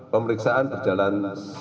pemeriksaan berjalan sebagaimana